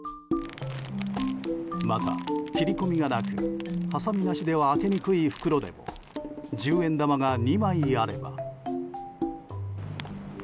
また、切り込みがなくはさみなしでは開けにくい袋でも十円玉が２枚あれば。